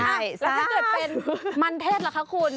แล้วถ้าเกิดเป็นมันเทศเหรอคะคุณ